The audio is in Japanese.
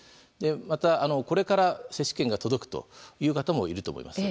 また、これから接種券が届くという方もいると思います。